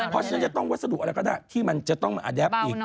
เพราะฉะนั้นจะต้องวัสดุอะไรก็ได้ที่มันจะต้องมาแดปอีก